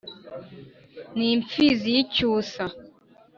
N’imfizi y’icyusa